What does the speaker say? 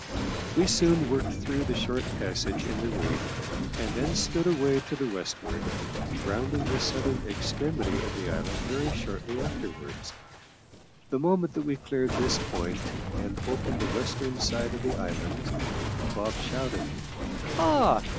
We soon worked through the short passage in the reef, and then stood away to the westward, rounding the southern extremity of the island very shortly afterwards. The moment that we cleared this point, and opened the western side of the island, Bob shouted, "Ah!